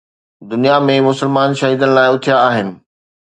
دنيا ۾ مسلمان شهيدن لاءِ اٿيا آهن.